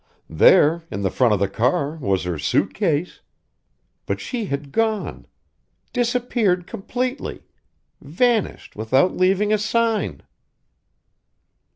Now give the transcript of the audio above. There, in the front of the car, was her suit case; but she had gone disappeared completely, vanished without leaving a sign.